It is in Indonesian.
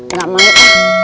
nggak mau mak